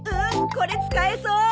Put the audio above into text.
これ使えそう！